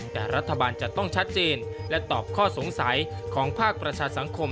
แต่รัฐบาลจะต้องชัดเจนและตอบข้อสงสัยของภาคประชาสังคม